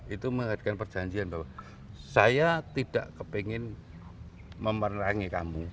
itu mengadakan perjanjian bahwa saya tidak kepengen memperangi kamu